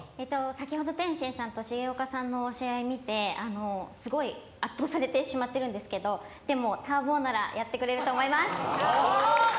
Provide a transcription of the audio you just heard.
先ほど天心さんと重岡さんの試合を見てすごい圧倒されてしまってるんですけど、でも、たー坊ならやってくれると思います。